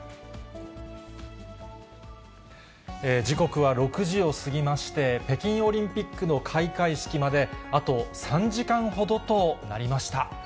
時刻は６時を過ぎまして、北京オリンピックの開会式まで、あと３時間ほどとなりました。